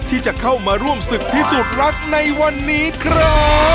ที่จะเข้ามาร่วมศึกพิสูจน์รักในวันนี้ครับ